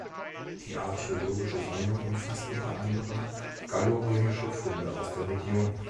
Die archäologische Sammlung umfasst unter anderem gallorömische Funde aus der Region.